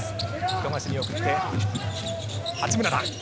富樫に送って、八村だ。